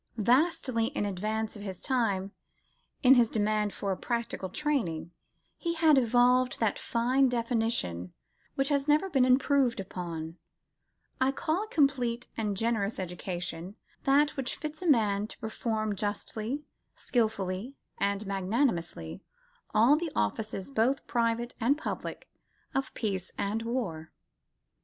Vastly in advance of his time in his demand for a practical training, he had evolved that "fine definition which has never been improved upon," "I call a complete and generous education that which fits a man to perform, justly, skilfully and magnanimously, all the offices, both private and public, of peace and war."